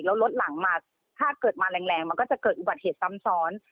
แล้วรถหลังมาถ้าเกิดมาแรงมันก็จะเกิดอุบัติเหตุซ้ำซ้อน